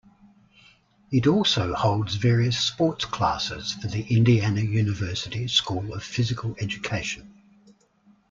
It also holds various sports classes for the Indiana University School of Physical Education.